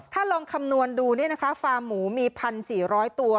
ถ้าลองคำนวณดูเนี่ยนะคะฟาร์มหมูมี๑๔๐๐ตัว